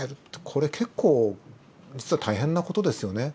これ結構実は大変な事ですよね。